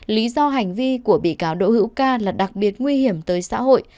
lý do hành vi của bị cáo đỗ hữu ca là đặc biệt nguy hiểm tới xã hội